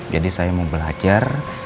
jadi saya mau belajar